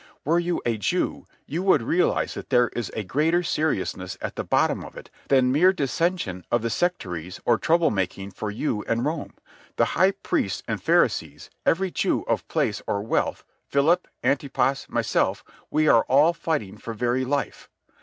Were you a Jew, you would realize that there is a greater seriousness at the bottom of it than mere dissension of the sectaries or trouble making for you and Rome. The high priests and Pharisees, every Jew of place or wealth, Philip, Antipas, myself—we are all fighting for very life.